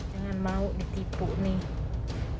jangan mau ditipu nih